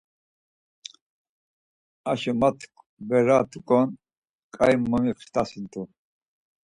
Aşo matkveretuǩon ǩai momixtasint̆u.